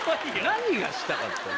何がしたかったんだ。